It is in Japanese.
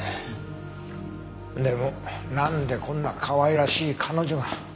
でもなんでこんなかわいらしい彼女が。